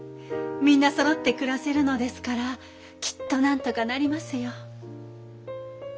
みんなそろって暮らせるのですからきっとなんとかなりますよ。